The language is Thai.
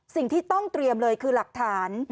สิ่งที่ต้องเตรียมเลยคือหลักฐาน